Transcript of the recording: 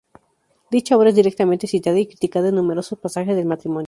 Dicha obra es directamente citada y criticada en numerosos pasajes del "Matrimonio.